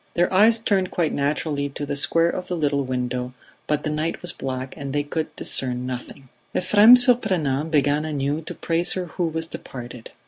Their eyes turned quite naturally to the square of the little window, but the night was black and they could discern nothing. Ephrem Surprenant began anew to praise her who was departed.